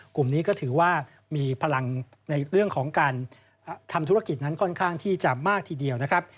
กลุ่มนี้ก็ถือว่ามีพลังในเรื่องของการทำธุรกิจนั้นค่อนข้างที่จะมากทีเดียวนะครับ